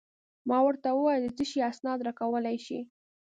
ما ورته وویل: د څه شي اسناد راکولای شې؟